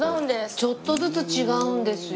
ちょっとずつ違うんですよ。